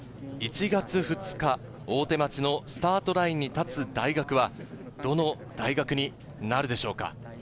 １月２日、大手町のスタートラインに立つ大学はどの大学になるでしょうか。